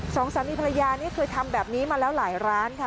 สองทรัมพิพรายานนี่คือทำแบบนี้มาแล้วหลายร้านค่ะ